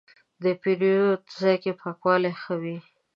د پیرود ځای کې پاکوالی ښه و.